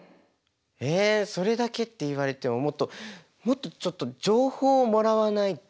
えっそれだけって言われてももっとちょっと情報をもらわないと。